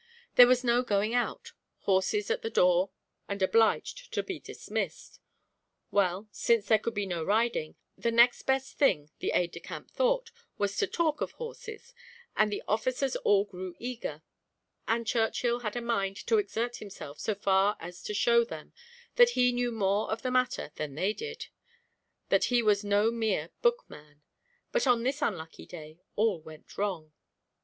There was no going out; horses at the door, and obliged to be dismissed. Well, since there could be no riding, the next best thing the aide de camp thought, was to talk of horses, and the officers all grew eager, and Churchill had a mind to exert himself so far as to show them that he knew more of the matter than they did; that he was no mere book man; but on this unlucky day, all went wrong.